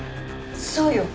そうよ。